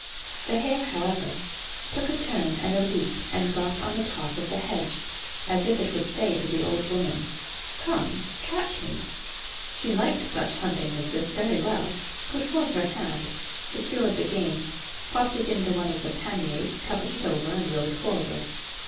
The hare, however, took a turn and a leap and got on the top of the hedge, as if it would say to the old woman "Come, catch me." She liked such hunting as this very well, put forth her hand, secured the game, popped it into one of the panniers, covered it over, and rode forward.